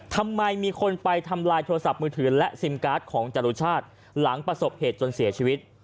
ทำไมมีคนไปทำลายโทรศัพท์มือถือและซิมการ์ดของจรุชาติหลังประสบเหตุจนเสียชีวิต